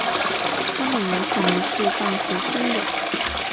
它们有可能是半水生的。